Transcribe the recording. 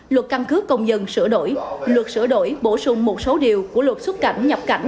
luật căn cước công dân sửa đổi luật sửa đổi bổ sung một số điều của luật xuất cảnh nhập cảnh